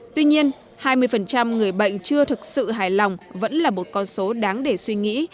tuy nhiên hai mươi người bệnh chưa thực sự hài lòng vẫn là một con số đáng để suy nghĩ